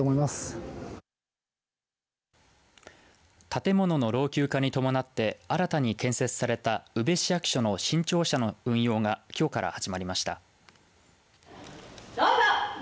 建物の老朽化に伴って新たに建設された宇部市役所の新庁舎の運用がきょうから始まりました。